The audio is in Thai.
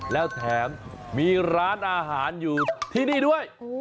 แล้วแถมมีร้านอาหารอยู่ที่นี่ด้วย